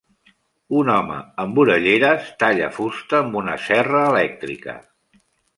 Un home amb orelleres talla fusta amb una serra elèctrica.